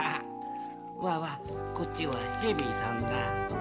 わっわっこっちはヘビさんが。